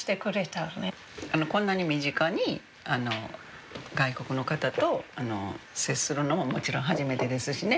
こんなに身近に外国の方と接するのももちろん初めてですしね。